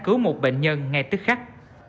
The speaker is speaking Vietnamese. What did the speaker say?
cứu một bệnh nhân ngay tức khắc